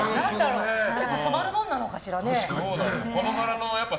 染まるものなのかしらね。